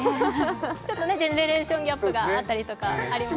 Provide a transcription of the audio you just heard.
ちょっとジェネレーションギャップがあったりしますね。